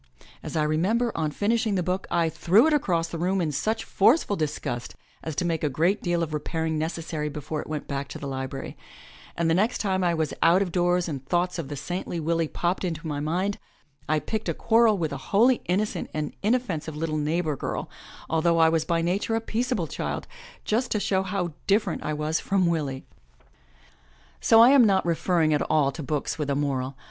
As I remember, on finishing the book I threw it across the room in such forceful disgust as to make a great deal of repairing neces sary before it went back to the library, and the next time I was out 204 THE LATCH KEY of doors and thoughts of the saintly Willie popped into my mind, I picked a quarrel with a wholly innocent and inoffensive little neighbor girl, although I was by nature a peaceable child, just to show how different I was from Willie! So I am not referring at all to books with a moral.